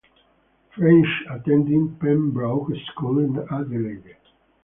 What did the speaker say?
French attended Pembroke School in Adelaide.